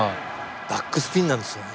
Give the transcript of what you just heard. バックスピンなんですよね。